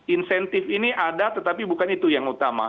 insentif ini ada tetapi bukan itu yang utama